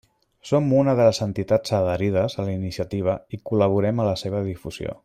Som una de les entitats adherides a la iniciativa i col·laborem en la seva difusió.